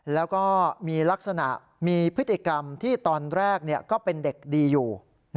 แล้วก็มีลักษณะมีพฤติกรรมที่ตอนแรกก็เป็นเด็กดีอยู่